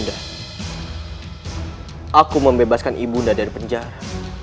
aku membebaskan ibu anda dari penjara